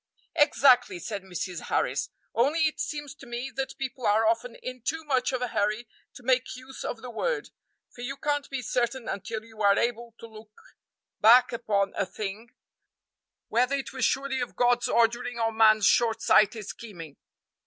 "Exactly," said Mrs. Harris, "only it seems to me that people are often in too much of a hurry to make use of the word, for you can't he certain until you are able to look hack upon a thing whether it was surely of God's ordering or man's short sighted scheming.